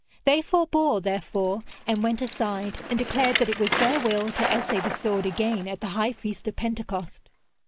They forbore, therefore, and went aside, and declared that it was their will to essay the sword again at the high feast of Pentecost.